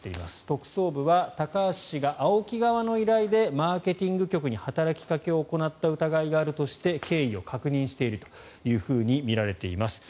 特捜部は高橋氏がＡＯＫＩ側の依頼でマーケティング局に働きかけを行った疑いがあるとして経緯を確認しているとみられています。